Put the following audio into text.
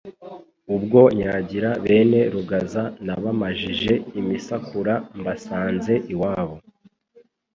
Ubwo nyagira bene Rugaza nabamajije imisakura mbasanze iwabo;